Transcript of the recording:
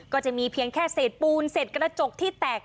ก็จะมีเพียงแค่เศษปูนเศษกระจกที่แตก